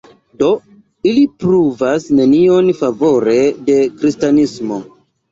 Do ili pruvas nenion favore de kristanismo.